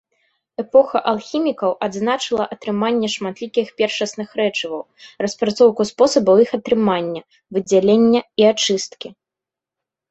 Эпоха алхімікаў адзначыла атрыманне шматлікіх першасных рэчываў, распрацоўку спосабаў іх атрымання, выдзялення і ачысткі.